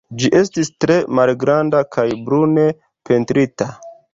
Ĝi estis tre malgranda kaj brune pentrita.